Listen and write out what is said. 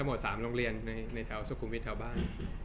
หมด๓โรงเรียนในแถวสุขุมวิทย์แถวบ้าน